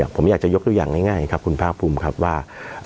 ผมอยากจะยกตัวอย่างง่ายครับคุณภาคภูมิครับว่า